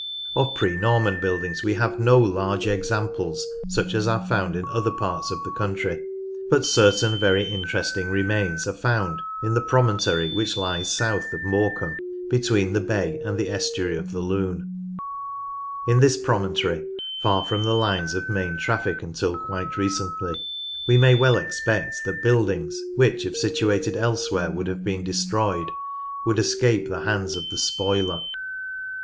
Of pre Norman buildings we have no large examples ARCHITECTURE— ECCLESIASTICAL 125 such as are found in other parts of the country, but certain very interesting remains arc found in the proinon Norman Doorway, Overton Church tory which lies south of Morecambe between the bay and the estuary of the Lune. In this promontory, far from the lines of main traffic until quite recently, we 126 NORTH LANCASHIRE may well expect that buildings, which if situated else where would have been destroyed, would escape the hands of the spoiler.